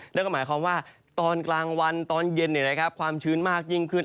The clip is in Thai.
แล้วก็หมายความว่าตอนกลางวันตอนเย็นความชื้นมากยิ่งขึ้น